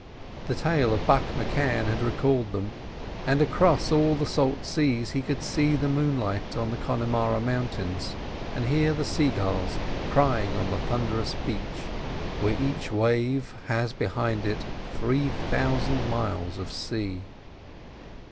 The tale of Buck M'Cann had recalled them, and across all the salt seas he could see the moonlight on the Connemara mountains, and hear the sea gulls crying on the thunderous beach where each wave has behind it three thousand miles of sea.